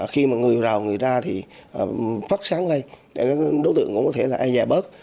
khi người vào người ra thì phát sáng lên đối tượng cũng có thể ai nhẹ bớt